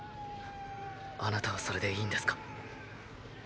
あなたはそれでいいんですか？